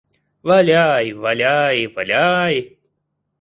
Валяй, валяй, валяй!